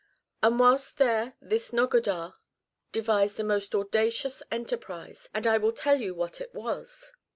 And whilst there this NoQ odar devised a most audacious enterprise, and I will tell you what it was.